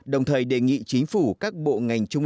đồng thời đề nghị chính phủ các bộ ngành trung ương